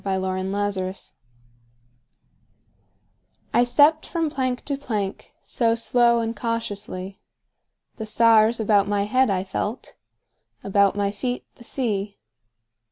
Part One: Life CXXXVI I STEPPED from plank to plankSo slow and cautiously; The stars about my head I felt, About my feet the sea.